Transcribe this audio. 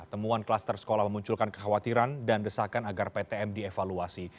temuan klaster sekolah memunculkan kekhawatiran dan desakan agar ptm dievaluasi